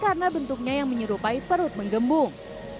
karena bentuknya yang menyerupai perut menggembung